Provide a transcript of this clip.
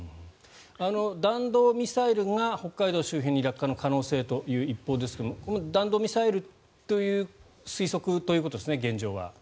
弾道ミサイルが北海道周辺に落下の可能性という一報ですが弾道ミサイルという推測ということですね、現状は。